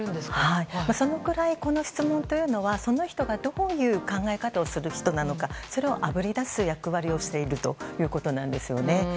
そのくらいこの質問というのはその人がどういう考え方をする人なのかそれをあぶり出す役割をしているということです。